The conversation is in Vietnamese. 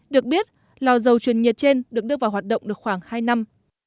được biết lò dầu truyền nhiệt trên được đưa vào hoạt động được khoảng hai năm